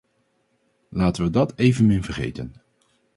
Laten we dat evenmin vergeten.